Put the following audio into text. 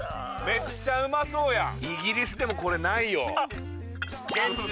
めっちゃうまそうやん。